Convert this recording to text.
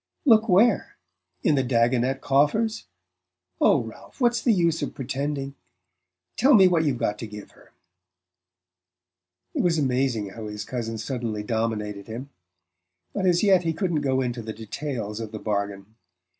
"Look where? In the Dagonet coffers? Oh, Ralph, what's the use of pretending? Tell me what you've got to give her." It was amazing how his cousin suddenly dominated him. But as yet he couldn't go into the details of the bargain.